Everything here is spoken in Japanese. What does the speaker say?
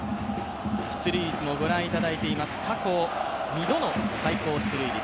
出塁率もご覧にいただいております、過去２度の最高出塁率。